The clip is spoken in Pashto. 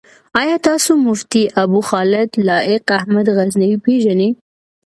آيا تاسو مفتي ابوخالد لائق احمد غزنوي پيژنئ؟